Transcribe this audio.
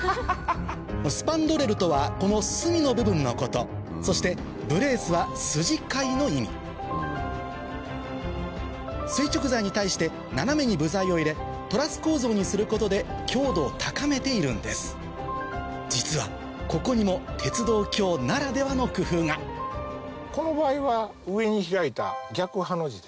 スパンドレルとはこの隅の部分のことそしてブレースは筋交いの意味垂直材に対して斜めに部材を入れトラス構造にすることで強度を高めているんです実はここにも鉄道橋ならではの工夫がこの場合は上に開いた逆ハの字です。